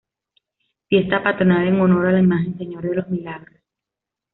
Fiesta patronal en honor a la Imagen señor de los Milagros.